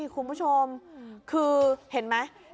คุณผู้ชมคือเห็นไหม